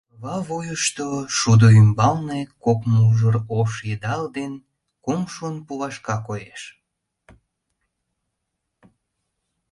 Орва вуйышто, шудо ӱмбалне, кок мужыр ош йыдал ден кум шун пулашка коеш.